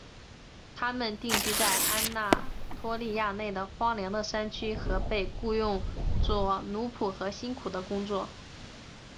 他们定居在安纳托利亚内的荒凉的山区和被雇用作奴仆和辛苦的工作。